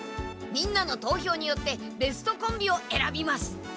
みんなの投票によってベストコンビをえらびます。